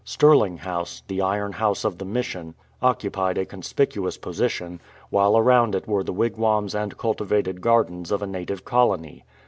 Stirling House, the iron house of the Mission, occupied a conspicuous position, while around it were the wigwams and cultivated gardens of a native colony.